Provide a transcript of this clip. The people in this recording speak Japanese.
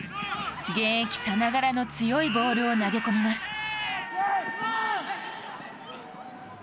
現役さながらの強いボールを投げ込みます。